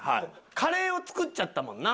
カレーを作っちゃったもんな。